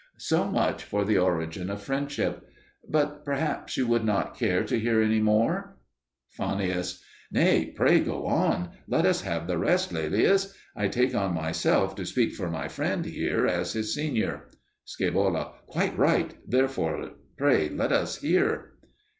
So much for the origin of friendship. But perhaps you would not care to hear any more. Fannius. Nay, pray go on; let us have the rest, Laelius. I take on myself to speak for my friend here as his senior. Scaevola. Quite right! Therefore, pray let us hear.